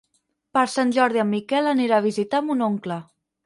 Per Sant Jordi en Miquel anirà a visitar mon oncle.